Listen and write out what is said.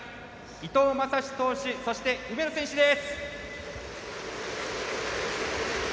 伊藤将司投手そして梅野選手です。